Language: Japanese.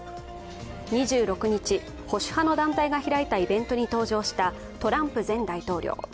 ２６日、保守派の団体が開いたイベントに登場したトランプ元大統領。